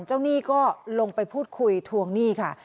หนี้ก็ลงไปพูดคุยทวงหนี้ค่ะ